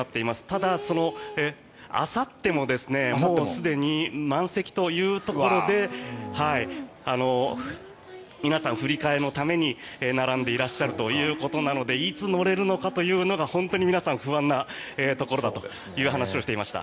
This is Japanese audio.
ただ、あさってももうすでに満席というところで皆さん振り替えのために並んでいらっしゃるということでいつ乗れるのかというのが本当に皆さん不安なところだという話をしていました。